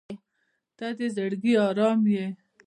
• ته د زړګي ارام یې.